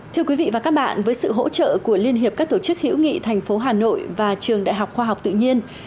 thưa quý vị và các bạn với sự hỗ trợ của liên hiệp các tổ chức hữu nghị thành phố hà nội và trường đại học khoa học tự nhiên